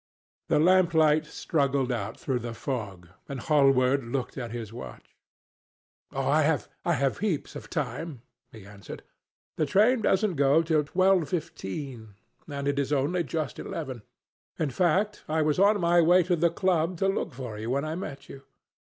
The lamplight struggled out through the fog, and Hallward looked at his watch. "I have heaps of time," he answered. "The train doesn't go till twelve fifteen, and it is only just eleven. In fact, I was on my way to the club to look for you, when I met you.